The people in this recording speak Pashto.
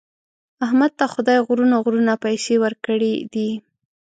احمد ته خدای غرونه غرونه پیسې ورکړي دي.